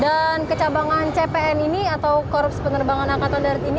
kecabangan cpn ini atau korupsi penerbangan angkatan darat ini